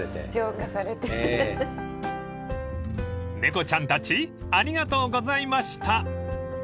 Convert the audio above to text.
［猫ちゃんたちありがとうございました］